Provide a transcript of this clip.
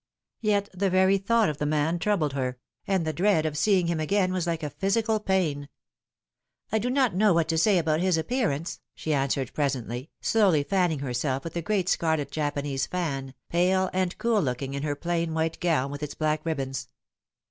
Yet the very thought of the man troubled her, and the dread of seeing him again was like a physical pain. "I do not know what to say about his appearance," she answered presently, slowly fanning herself with a great scarlet Japanese fan, pale and cool looking in her plain white gown with 98 The Fatal Three. its black ribbons.